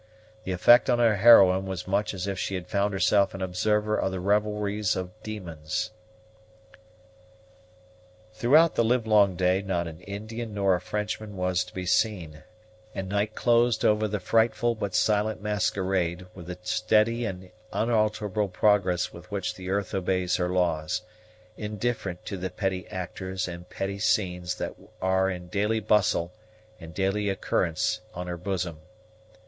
The effect on our heroine was much as if she had found herself an observer of the revelries of demons. Throughout the livelong day not an Indian nor a Frenchman was to be seen, and night closed over the frightful but silent masquerade, with the steady and unalterable progress with which the earth obeys her laws, indifferent to the petty actors and petty scenes that are in daily bustle and daily occurrence on her bosom.